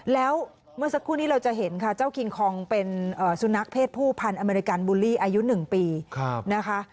แล้วเมื่อสักครู่นี้เราจะเห็นค่ะเจ้าคิงคองเป็นสุนัขเพศผู้พันธ์อเมริกันบูลลี่อายุ๑ปีนะคะ